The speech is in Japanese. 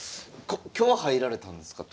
今日入られたんですか？